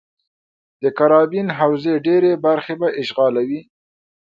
د کارابین حوزې ډېرې برخې به اشغالوي.